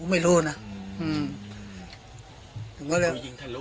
ยิงทะเลาะก็จบเลย